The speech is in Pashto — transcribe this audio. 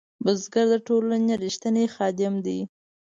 بزګر د ټولنې رښتینی خادم دی